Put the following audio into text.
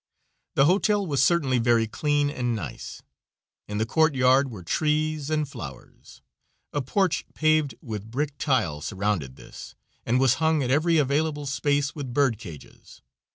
The hotel was certainly very clean and nice. In the courtyard were trees and flowers. A porch paved with brick tile surrounded this, and was hung at every available space with bird cages.